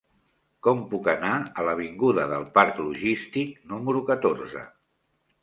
Com puc anar a l'avinguda del Parc Logístic número catorze?